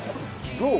「どう？」。